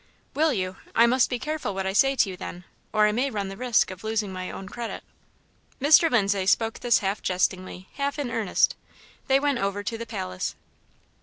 "Will you? I must be careful what I say to you then, or I may run the risk of losing my own credit." Mr. Lindsay spoke this half jestingly, half in earnest. They went over to the palace.